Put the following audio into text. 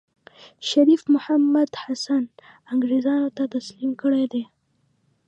شريف محمودالحسن انګرېزانو ته تسليم کړی دی.